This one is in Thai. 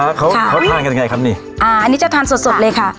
แล้วเขาเขาทานกันไงครับนี่อ่าอันนี้จะทานสดสดเลยค่ะ